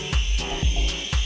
jadi mereka sangat happy sih